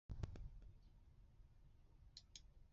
宮城県柴田町